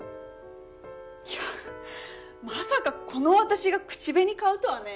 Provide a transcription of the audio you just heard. いやまさかこの私が口紅買うとはね。